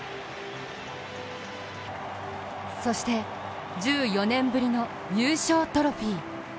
そして、１４年ぶりの優勝トロフィー。